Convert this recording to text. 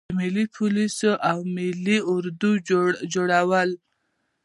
د ملي پولیسو او ملي اردو جوړول.